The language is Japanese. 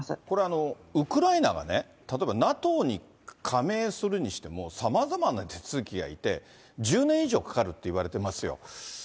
これ、ウクライナが例えばＮＡＴＯに加盟するにしても、さまざまな手続きがいって、１０年以上かかるっていわれてますよ。